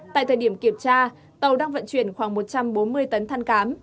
tại thời điểm kiểm tra tàu đang vận chuyển khoảng một trăm bốn mươi tấn than cám